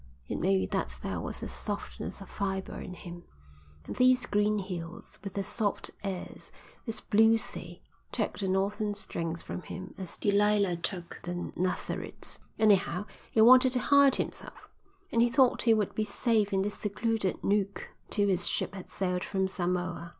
It may be that there was a softness of fibre in him, and these green hills with their soft airs, this blue sea, took the northern strength from him as Delilah took the Nazarite's. Anyhow, he wanted to hide himself, and he thought he would be safe in this secluded nook till his ship had sailed from Samoa."